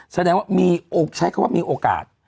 แสดงว่าใช้คำว่ามีโอกาส